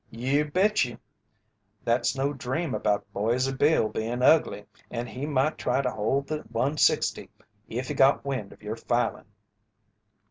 "You bet you! That's no dream about Boise Bill bein' ugly, and he might try to hold the 160 if he got wind of your filing."